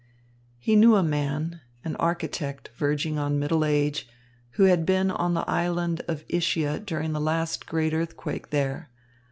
He knew a man, an architect verging on middle age, who had been on the island of Ischia during the last great earthquake there.